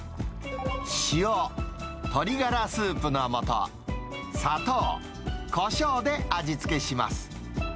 塩、鶏がらスープのもと、砂糖、コショウで味付けします。